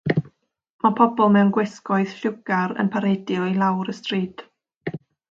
Mae pobl mewn gwisgoedd lliwgar yn paredio i lawr y stryd.